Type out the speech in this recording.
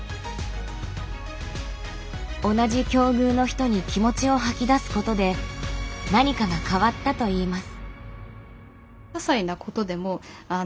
同じ境遇の人に気持ちを吐き出すことで何かが変わったといいます。